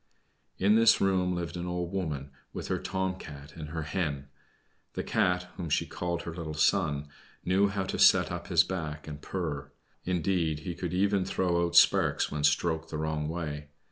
In this room lived an old woman, with her Tom cat and her Hen. The Cat, whom she called her little son, knew how to set up his back and purr; indeed, he could even throw out sparks when stroked the wrong way.